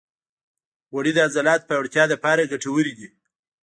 غوړې د عضلاتو پیاوړتیا لپاره ګټورې دي.